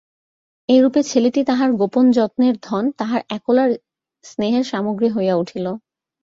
এইরূপে ছেলেটি তাহার গোপন যত্নের ধন, তাহার একলার স্নেহের সামগ্রী হইয়া উঠিল।